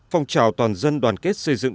phòng trào toàn dân đoàn kết xây dựng